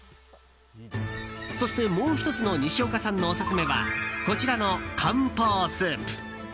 そして、もう１つの西岡さんのオススメはこちらの漢方湯。